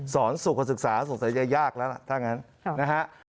สุขศึกษาสงสัยจะยากแล้วล่ะถ้างั้นนะฮะ